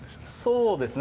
そうですね。